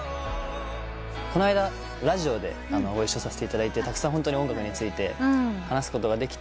この間ラジオでご一緒させていただいてたくさん音楽について話すことができて。